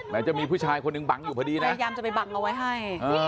จะมีผู้ชายคนหนึ่งบังอยู่พอดีนะพยายามจะไปบังเอาไว้ให้